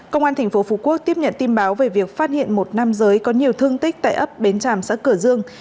công an tp phú quốc tiếp nhận tin báo về việc phát hiện một nam giới có nhiều thương tích tại ấp bến tràm xã cửa dương